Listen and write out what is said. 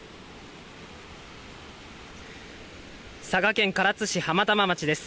佐賀県唐津市浜玉町です。